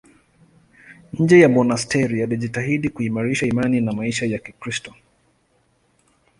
Nje ya monasteri alijitahidi kuimarisha imani na maisha ya Kikristo.